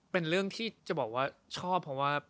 เป็นเรื่องที่จะบอกว่าชอบเพราะว่า